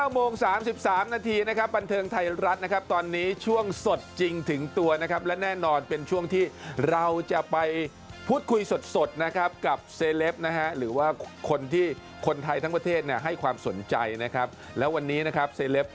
โมง๓๓นาทีนะครับบันเทิงไทยรัฐนะครับตอนนี้ช่วงสดจริงถึงตัวนะครับและแน่นอนเป็นช่วงที่เราจะไปพูดคุยสดนะครับกับเซเลปนะฮะหรือว่าคนที่คนไทยทั้งประเทศเนี่ยให้ความสนใจนะครับแล้ววันนี้นะครับเซเลป